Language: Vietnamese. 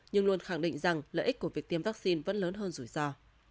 nhưng luôn khẳng định rằng lợi ích của việc tiêm vaccine vẫn lớn hơn rủi ro